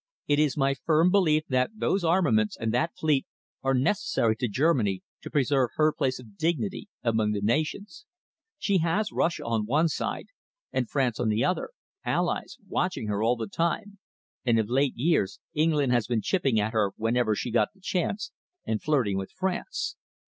"It is my firm belief that those armaments and that fleet are necessary to Germany to preserve her place of dignity among the nations. She has Russia on one side and France on the other, allies, watching her all the time, and of late years England has been chipping at her whenever she got a chance, and flirting with France.